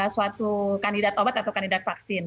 suatu kandidat obat atau kandidat vaksin